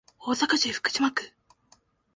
大阪市福島区